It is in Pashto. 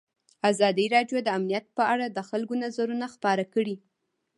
ازادي راډیو د امنیت په اړه د خلکو نظرونه خپاره کړي.